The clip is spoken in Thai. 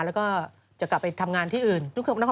แล้วก็จะกลับไปทำงานที่อื่น